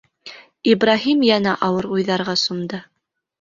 Ибраһим йәнә ауыр уйҙарға сумды.